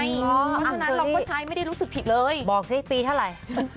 เพราะฉะนั้นเราก็ใช้ไม่ได้รู้สึกผิดเลยบอกสิปีเท่าไหร่